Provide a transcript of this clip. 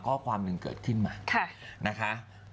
ข้อความหนึ่งเกิดขึ้นมานะคะ